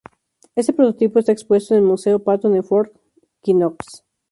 Este prototipo está expuesto en el Museo Patton en Fort Knox.